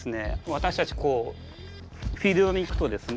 私たちこうフィールドに行くとですね